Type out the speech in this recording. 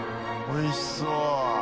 おいしそう。